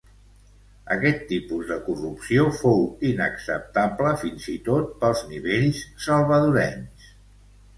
Aquest tipus de corrupció fou inacceptable fins i tot pels nivells salvadorenys.